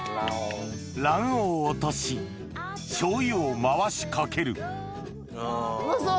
卵黄を落とし醤油を回しかけるうまそう！